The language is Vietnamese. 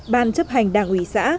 ban chấp hành đảng ủy xã